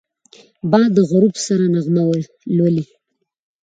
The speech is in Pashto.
باد د غروب سره نغمه لولي